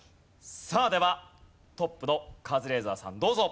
さあではトップのカズレーザーさんどうぞ。